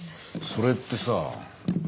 それってさ